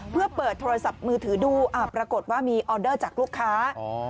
เพื่อเปิดโทรศัพท์มือถือดูปรากฏว่ามีออเดอร์จากลูกค้า